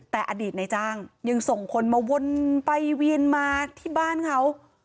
แต่อดีตในจ้างยังส่งคนมาวนไปเวียนมาที่บ้านเขา